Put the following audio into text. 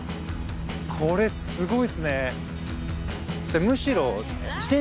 これすごいっすね。